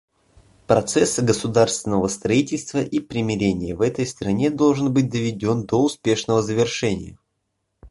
Процесс государственного строительства и примирения в этой стране должен быть доведен до успешного завершения.